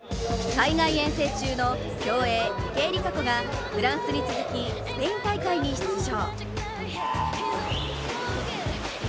海外遠征中の競泳・池江璃花子がフランスに続きスペイン大会に出場。